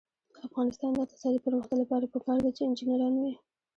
د افغانستان د اقتصادي پرمختګ لپاره پکار ده چې انجنیران وي.